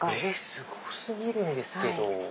すご過ぎるんですけど。